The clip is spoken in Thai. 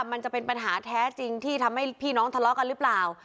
มันจะเป็นปัญหาแท้จริงที่ทำให้พี่น้องทะเลาะกันหรือเปล่า